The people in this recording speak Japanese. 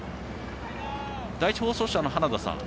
第１放送車の花田さん